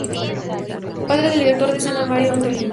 Padre del director de escena Mario Antolín.